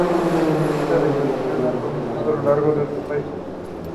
She immediately jumped into the creek and captured him.